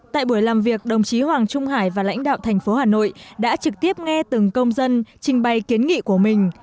tại buổi làm việc đồng chí hoàng trung hải và lãnh đạo thành phố hà nội đã trực tiếp nghe từng công dân trình bày kiến nghị của mình